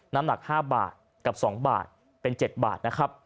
น้ำหนัก๕บาทกับ๒บาทเป็น๗บาทนะครับ